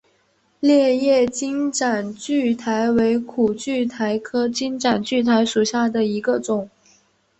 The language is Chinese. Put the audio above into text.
裂叶金盏苣苔为苦苣苔科金盏苣苔属下的一个种。